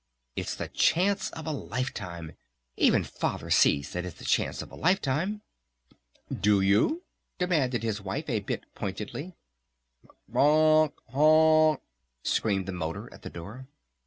It's the chance of a life time! Even Father sees that it's the chance of a life time!" "Do you?" demanded his wife a bit pointedly. "Honk honk!" screamed the motor at the door.